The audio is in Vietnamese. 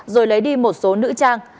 rồi lấy đi một số nữ trang